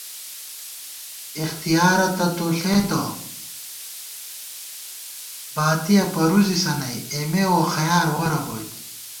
اِختِیارہ تہ تو ݪېتہ، باتِیَہ پرُوزِسہ نئ، اېمے ووخَیار وَرہ بوئیت